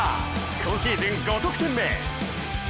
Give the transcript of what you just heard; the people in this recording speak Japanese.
今シーズン５得点目。